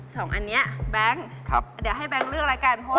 สองอันนี้แบงค์เดี๋ยวให้แบงค์เลือกแล้วกันเพราะว่า